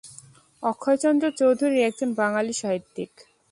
অক্ষয়চন্দ্র চৌধুরী একজন বাঙালি সাহিত্যিক।